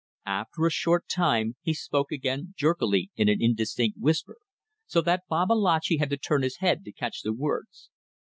After a short time he spoke again jerkily in an indistinct whisper, so that Babalatchi had to turn his head to catch the words.